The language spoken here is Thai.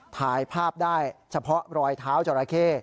ถ่ายภาพได้เฉพาะรอยเท้าจราเข้